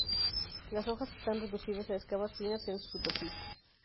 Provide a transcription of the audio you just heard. Las hojas están reducidas a escamas finas en su superficie.